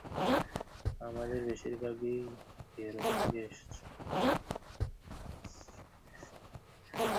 আমাদের বেশিরভাগই ইউরোপ থেকে এসেছি।